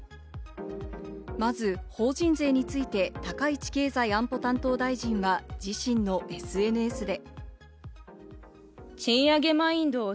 まず法人税について高市経済安保担当大臣は自身のＳＮＳで。